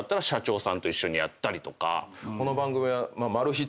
この番組は。